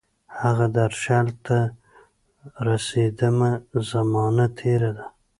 هغه درشل ته رسیدمه، زمانه تیره ده